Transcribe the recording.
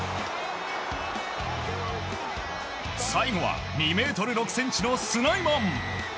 最後は２ｍ６ｃｍのスナイマン！